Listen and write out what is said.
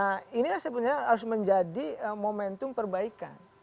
nah inilah sebetulnya harus menjadi momentum perbaikan